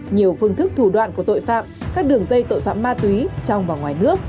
nhiều phương thức thủ đoạn của tội phạm các đường dây tội phạm ma túy trong và ngoài nước